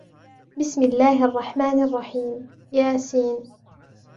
بِسْمِ اللَّهِ الرَّحْمَنِ الرَّحِيمِ يس